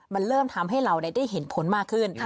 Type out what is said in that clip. มันเริ่มทำให้เราได้เห็นผลมากขึ้น